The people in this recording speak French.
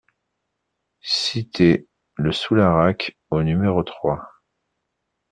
Cité le Soularac au numéro trois